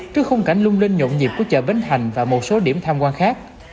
trước khung cảnh lung linh nhộn nhịp của chợ bến thành và một số điểm tham quan khác